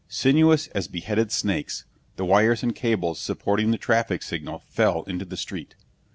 Sinuous as beheaded snakes, the wires and cables supporting the traffic signal fell into the street.